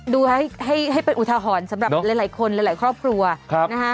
ดูให้เป็นอุทหรณ์สำหรับหลายคนหลายครอบครัวนะฮะ